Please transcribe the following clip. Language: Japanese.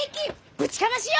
ぶちかましよ！